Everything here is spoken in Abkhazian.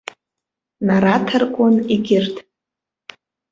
Нараҭаркуан егьырҭ.